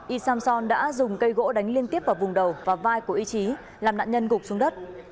y samson đã dùng cây gỗ đánh liên tiếp vào vùng đầu và vai của y chí làm nạn nhân gục xuống đất